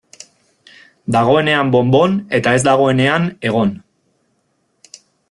Dagoenean bon-bon, eta ez dagoenean egon.